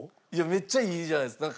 めっちゃいいじゃないですか。